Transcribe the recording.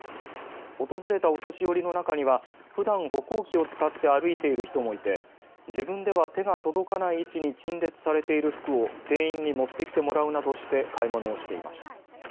訪れたお年寄りの中にはふだん歩行器を使って歩いている人もいて自分では手が届かない位置に陳列されている服を店員に持ってきてもらうなどして買い物をしていました。